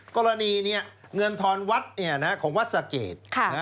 กรณีนี้เงินทอนวัดของวัดสะเกด